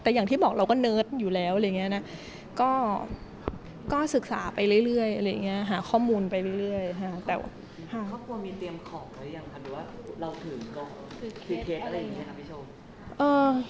แต่อย่างที่บอกเราก็เนิร์ดอยู่แล้วหาข้อมูลไปเรื่อย